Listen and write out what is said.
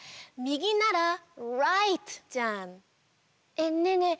えっねえねえ